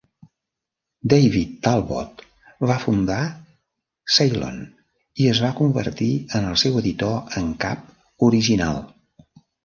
David Talbot va fundar "Salon" i es va convertir en el seu editor en cap original.